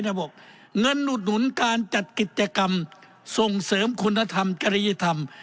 ระบบเงินอุดหนุนการจัดกิจกรรมส่งเสริมคุณธรรมจริยธรรม